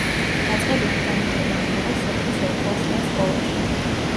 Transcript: დაწყებითი განათლება მიიღო სოფლის ორკლასიან სკოლაში.